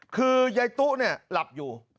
คือใยตุ้วนี่รับอยู่